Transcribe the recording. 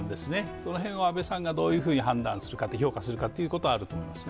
その辺を安倍さんがどういうふうに評価するかということはあると思います。